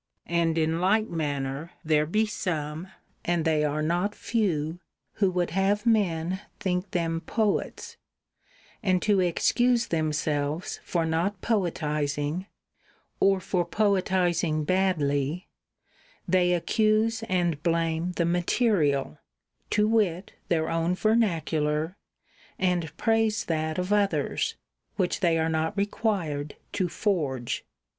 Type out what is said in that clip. And in like manner there be some, and they are not few, who would have men think them poets ; and to excuse themselves for not poetising, or for poetising badly, they accuse and blame the material, to wit their own vernacular, and praise that of others, which they are not required to forge.